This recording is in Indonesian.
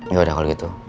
yaudah kalau gitu